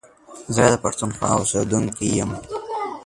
زه دا پښتونخوا اوسيدونکی يم.